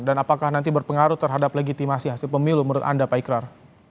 dan apakah nanti berpengaruh terhadap legitimasi hasil pemilu menurut anda pak ikrar